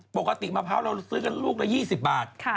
ปกติมะพร้าวเราซื้อกันลูกละ๒๐บาท